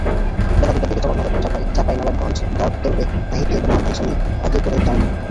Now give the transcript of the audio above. বেলা দুইটার দিকে চাঁপাইনবাবগঞ্জ র্যাব ক্যাম্পে নাহিদকে গণমাধ্যমের সামনে হাজির করে র্যাব।